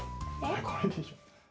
えっこれでしょ。